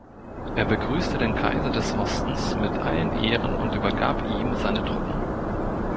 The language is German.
Er begrüßte den Kaiser des Ostens mit allen Ehren und übergab ihm seine Truppen.